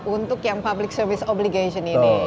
untuk yang public service obligation ini